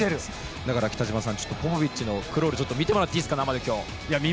だから北島さん、ポポビッチのクロール見てもらっていいですか。